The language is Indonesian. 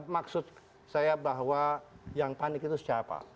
maksud saya bahwa yang panik itu siapa